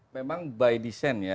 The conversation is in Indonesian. memang by design ya